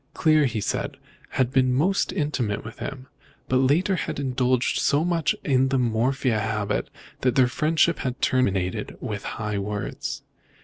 Clear, he said, had been most intimate with him, but later on had indulged so much in the morphia habit that their friendship had terminated with high words.